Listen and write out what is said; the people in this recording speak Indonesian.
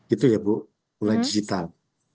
itu ya bu mulai digital